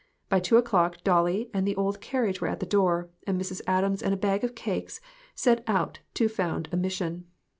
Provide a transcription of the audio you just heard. By two o'clock Dolly and the old carriage were at the door, and Mrs. Adams and a bag of cakes set out to found a mission.